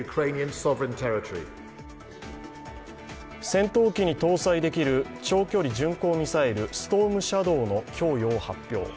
戦闘機に搭載できる長距離巡航ミサイル、ストームシャドーの供与を発表。